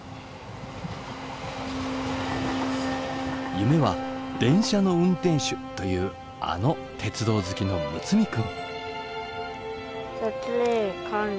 夢は電車の運転手というあの鉄道好きの睦弥君。